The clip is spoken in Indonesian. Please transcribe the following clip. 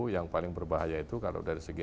yang paling berbahaya itu kalau dari segi